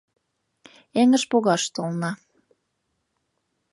Эҥыж погаш толна.